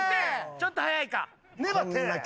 ちょっと早いか。